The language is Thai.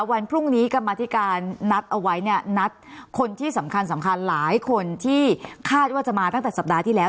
วันพรุ่งนี้กรรมธิการนัดเอาไว้เนี่ยนัดคนที่สำคัญสำคัญหลายคนที่คาดว่าจะมาตั้งแต่สัปดาห์ที่แล้ว